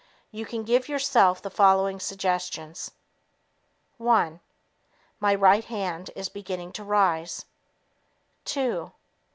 You can give yourself the following suggestions: "One ... My right hand is beginning to rise. Two